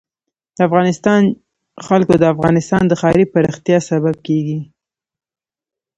د افغانستان جلکو د افغانستان د ښاري پراختیا سبب کېږي.